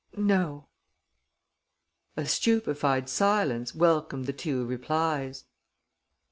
"No." A stupefied silence welcomed the two replies.